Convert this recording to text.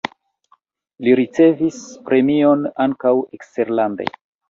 Li ricevis premiojn ankaŭ eksterlande.